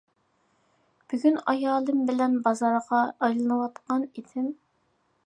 بۈگۈن ئايالىم بىلەن بازارغا ئايلىنىۋاتقان ئىدىم.